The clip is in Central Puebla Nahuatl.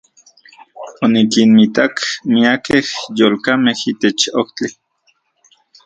Onikinmitak miakej yolkamej itech ojtli.